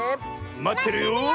まってるよ！